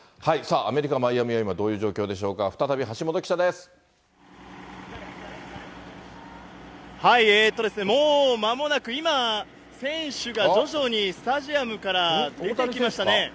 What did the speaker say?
アメリカ・マイアミは今、どういう状況でしょうか、再び橋本もうまもなく、今、選手が徐々にスタジアムから出てきましたね。